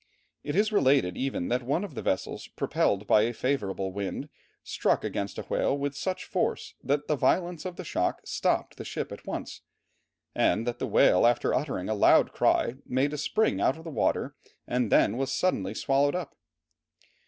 It is related even that one of the vessels propelled by a favourable wind, struck against a whale with such force that the violence of the shock stopped the ship at once, and that the whale after uttering a loud cry, made a spring out of the water and then was suddenly swallowed up.